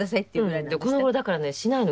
この頃だからねしないの。